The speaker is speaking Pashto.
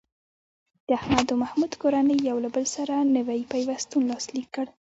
د احمد او محمود کورنۍ یو له بل سره نوی پیوستون لاسلیک کړ.